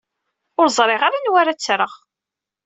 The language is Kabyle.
Ur ẓriɣ ara anwa ara ttreɣ.